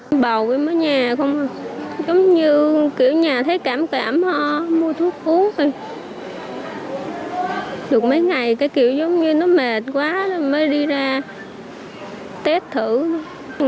bà bầu em ở nhà không giống như kiểu nhà thấy cảm cảm ho mua thuốc uống thôi được mấy ngày cái kiểu giống như nó mệt quá rồi mới đi ra test thử thôi